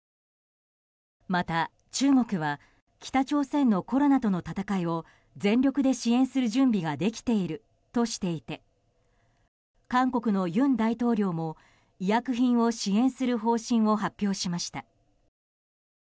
また中国は北朝鮮のコロナとの闘いを全力で支援する準備ができているとしていて韓国の尹大統領も医薬品を支援する方針を発表しました。